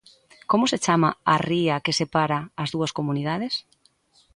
Como se chama a ría que separa as dúas comunidades?